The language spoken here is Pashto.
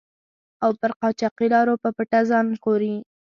او پر قاچاقي لارو په پټه ځان ژغوري.